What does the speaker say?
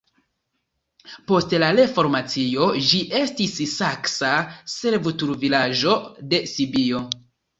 Post la reformacio ĝi estis saksa servutulvilaĝo de Sibio.